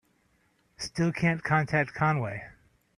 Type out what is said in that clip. Still can't contact Conway.